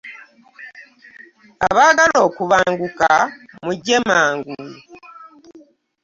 Abaagala okubanguka mujje mangu.